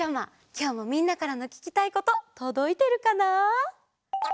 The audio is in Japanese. きょうもみんなからのききたいこととどいてるかな？